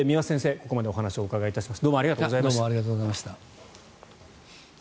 ここまでお話をお伺いしました。